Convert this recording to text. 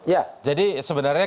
ya jadi sebenarnya